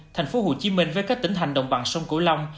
thành phố hồ chí minh với các tỉnh thành đồng bằng sông cửu long